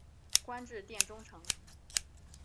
官至殿中丞。